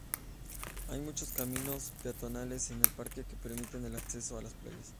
Hay muchos caminos peatonales en el parque que permiten el acceso a las playas.